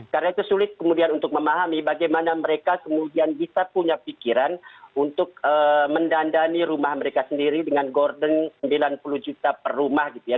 karena itu sulit kemudian untuk memahami bagaimana mereka kemudian bisa punya pikiran untuk mendandani rumah mereka sendiri dengan gordon sembilan puluh juta per rumah gitu ya